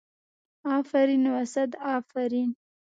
افرین و صد افرین.